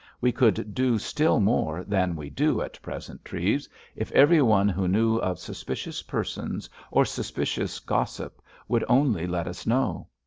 We could do still more than we do at present, Treves, if every one who knew of suspicious persons or suspicious gossip would only let us know.